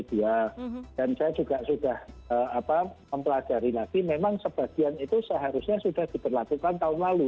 dan saya juga sudah mempelajari lagi memang sebagian itu seharusnya sudah diberlakukan tahun lalu dua ribu dua puluh satu